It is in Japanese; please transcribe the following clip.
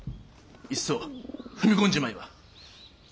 いっそ踏み込んじまえば。